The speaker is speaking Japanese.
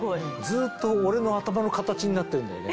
ずっと俺の頭の形になってるんだよね。